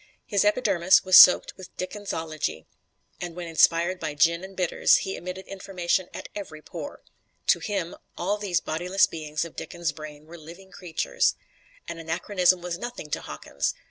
His epidermis was soaked with Dickensology, and when inspired by gin and bitters he emitted information at every pore. To him all these bodiless beings of Dickens' brain were living creatures. An anachronism was nothing to Hawkins.